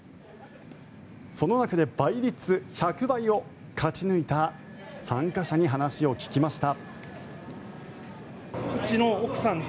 その中で倍率１００倍を勝ち抜いた参加者に話を聞きました。